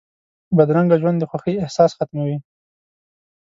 بدرنګه ژوند د خوښۍ احساس ختموي